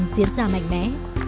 xin chào mạch bé